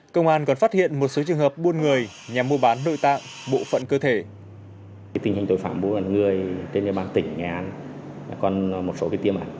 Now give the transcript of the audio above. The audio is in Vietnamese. công an còn phát hiện một số trường hợp buôn người nhằm mua bán nội tạng